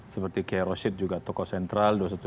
seperti kiai roshid juga tokoh sentral dua ratus dua belas